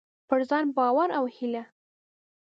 پر ځان باور او هيله: